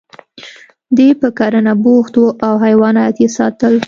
دی په کرنه بوخت و او حیوانات یې ساتل